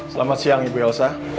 selamat siang ibu yosa